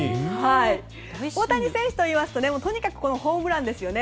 大谷選手といいますととにかくホームランですよね。